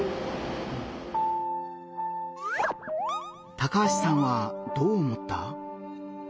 高橋さんはどう思った？